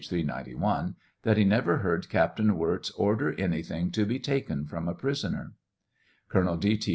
391) that he never heard Captain Wirz order anything to be taken from a prisoner. Colonel D. T.